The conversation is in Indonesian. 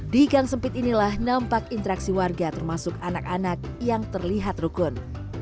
di gang sempit inilah nampak interaksi warga termasuk anak anak yang terlihat rukun